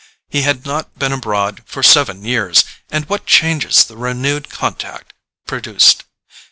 He had not been abroad for seven years—and what changes the renewed contact produced!